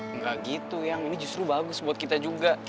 nggak gitu yang ini justru bagus buat kita juga